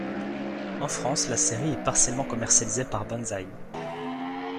En France, la série est partiellement commercialisée par Banzaï.